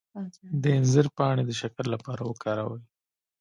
د انځر پاڼې د شکر لپاره وکاروئ